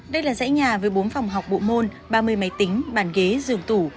đây là dãy nhà với bốn phòng học bộ môn ba mươi máy tính bàn ghế giường tủ